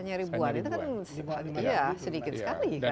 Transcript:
hanya ribuan itu kan sedikit sekali